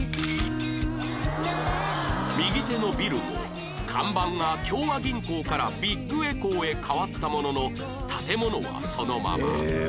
右手のビルも看板が協和銀行からビッグエコーへ変わったものの建物はそのまま